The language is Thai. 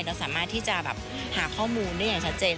เราสามารถที่จะแบบหาข้อมูลได้อย่างชัดเจน